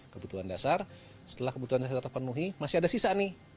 kebutuhan dasar setelah kebutuhan dasar terpenuhi masih ada sisa nih